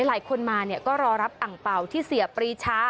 หลายคนมาก็รอรับอังเป่าที่เสียปรีชา